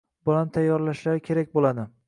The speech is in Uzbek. bolani tayyorlashlari kerak bo‘ladi.